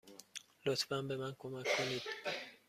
لطفا به من کمک کنید.